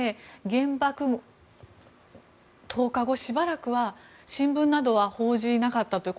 原爆投下後しばらくは新聞などは報じなかったという。